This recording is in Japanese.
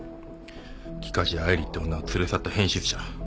木梶愛莉って女を連れ去った変質者。